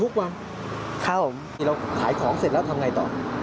แค่เมื่อเราขายของเสร็จแล้วทำไงต่อ